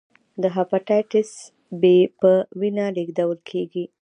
د هپاتایتس بي په وینه لېږدول کېږي.